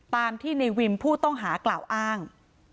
ตามที่ในวิมผู้ต้องหากล่าวอ้าง